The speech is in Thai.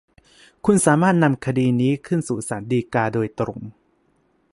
คุณสามารถนำคดีนี้ขึ้นสู่ศาลฎีกาโดยตรง